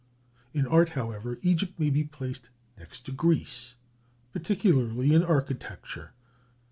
In art, however, Egypt may be placed next to Greece, particularly in architecture.